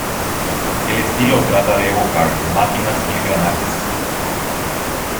El estilo trata de evocar máquinas y engranajes.